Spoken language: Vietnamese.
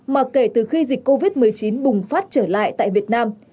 mà kể từ khi dịch covid một mươi chín bùng phát trở lại tại việt nam